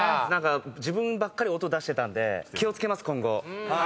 何か自分ばっかり音出してたんで気を付けます今後。